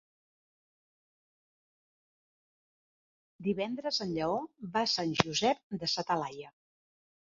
Divendres en Lleó va a Sant Josep de sa Talaia.